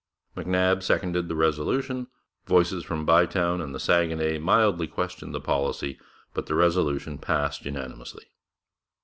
MacNab seconded the resolution; voices from Bytown and the Saguenay mildly questioned the policy, but the resolution passed unanimously.